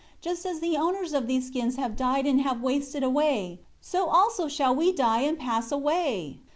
Just as the owners of these skins have died and have wasted away, so also shall we die and pass away."